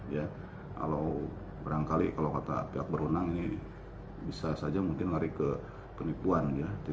kalau berangkali kalau pihak berwenang ini bisa saja mungkin lari ke penipuan tiga ratus tujuh puluh delapan